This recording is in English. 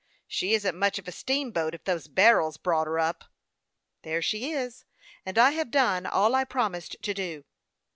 " She isn't much of a steamboat if those barrels brought her up." " There she is ; and I have done all I promised to do."